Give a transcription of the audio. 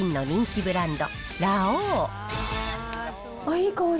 いい香り。